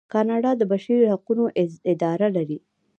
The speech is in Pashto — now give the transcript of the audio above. کاناډا د بشري حقونو اداره لري.